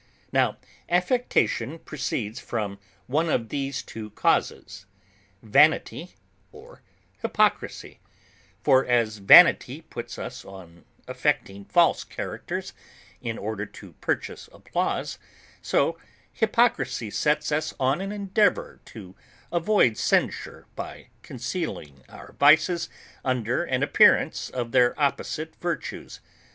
Now, affectation proceeds from one of these two causes, vanity or hypocrisy: for as vanity puts us on affecting false characters, in order to purchase applause; so hypocrisy sets us on an endeavour to avoid censure, by concealing our vices under an appearance of their opposite virtues.